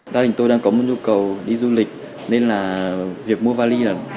đa đình tôi đang có một nhu cầu đi du lịch nên là việc mua vali là